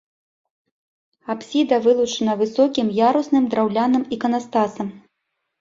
Апсіда вылучана высокім ярусным драўляным іканастасам.